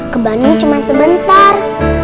ke banung cuman sebentar